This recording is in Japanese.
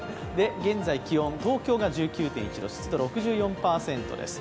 現在、気温が東京が１９．１度、湿度６４％です。